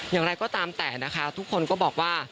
อย่างไรก็ตามแต่นะคะทุกคนก็บอกว่า